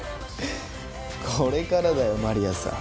これからだよマリアさん。